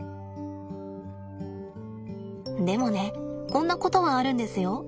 でもねこんなことはあるんですよ。